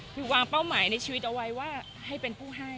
คือวางเป้าหมายในชีวิตเอาไว้ว่าให้เป็นผู้ให้